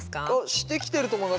してきてると思います。